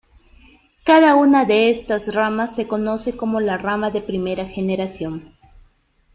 Cada una de estas ramas se conoce como rama de primera generación.